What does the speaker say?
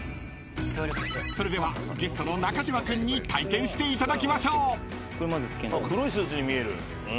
［それではゲストの中島君に体験していただきましょう］